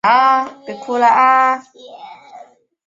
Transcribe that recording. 周日应该没问题，周六的话，时间会有点紧。